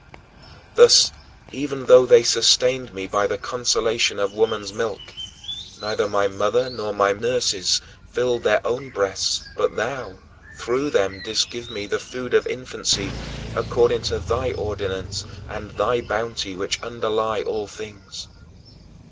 Thus even though they sustained me by the consolation of woman's milk, neither my mother nor my nurses filled their own breasts but thou, through them, didst give me the food of infancy according to thy ordinance and thy bounty which underlie all things.